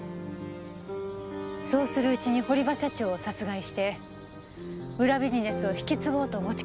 そうするうちに堀場社長を殺害して裏ビジネスを引き継ごうと持ちかけられたのね？